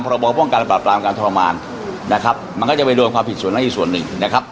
ระบอป้องกันปราบปรามการทรมานนะครับมันก็จะไปโดนความผิดส่วนนั้นอีกส่วนหนึ่งนะครับ